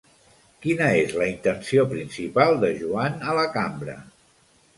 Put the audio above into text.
Quina és la intenció principal de Joan a la Cambra?